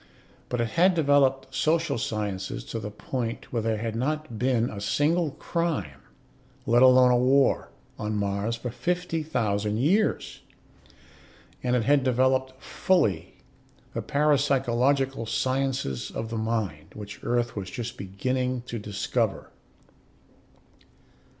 But it had developed social sciences to the point where there had not been a single crime, let alone a war, on Mars for fifty thousand years. And it had developed fully the parapsychological sciences of the mind, which Earth was just beginning to discover.